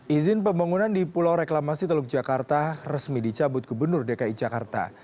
izin pembangunan di pulau reklamasi teluk jakarta resmi dicabut gubernur dki jakarta